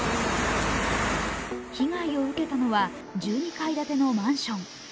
被害を受けたのは１２階建てのマンション。